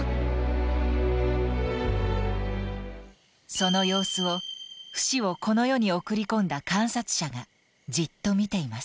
その様子をフシをこの世に送り込んだ観察者がじっと見ています。